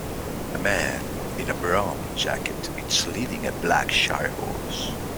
A man in a brown jacket is leading a black shire horse.